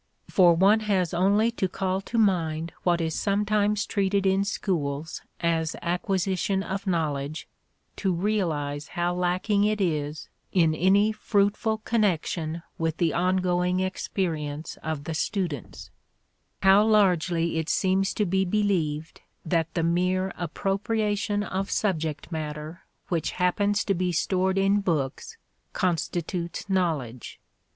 For one has only to call to mind what is sometimes treated in schools as acquisition of knowledge to realize how lacking it is in any fruitful connection with the ongoing experience of the students how largely it seems to be believed that the mere appropriation of subject matter which happens to be stored in books constitutes knowledge.